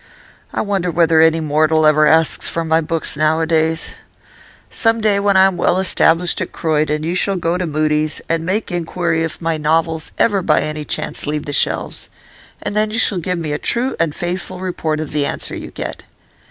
I wonder whether any mortal ever asks for my books nowadays? Some day, when I am well established at Croydon, you shall go to Mudie's, and make inquiry if my novels ever by any chance leave the shelves, and then you shall give me a true and faithful report of the answer you get.